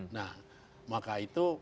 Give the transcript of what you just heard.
nah maka itu